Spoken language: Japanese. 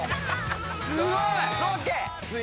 すごい！